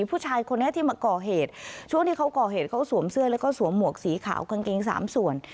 ผู้ชายคนนี้ที่มาก่อเหตุช่วงที่เขาก่อเหตุเขาสวมเสื้อแล้วก็สวมหมวกสีขาวกางเกงสามส่วน